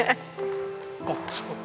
あっすごい。